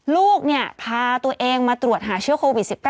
ลูกพาตัวเองมาตรวจหาเชื้อโควิด๑๙